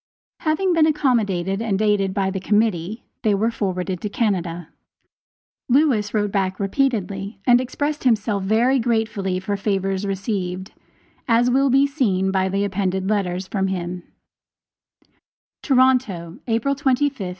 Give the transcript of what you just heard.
Having been accommodated and aided by the Committee, they were forwarded to Canada. Lewis wrote back repeatedly and expressed himself very gratefully for favors received, as will be seen by the appended letters from him: TORONTO, April 25, 1857.